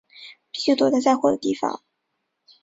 必须躲在载货的地方